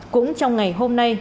cũng trong ngày hôm nay